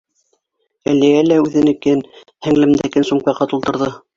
Әлиә лә үҙенекен, һеңлемдекен сумкаға тултырҙы.